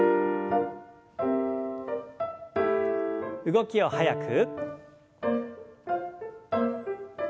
動きを速く。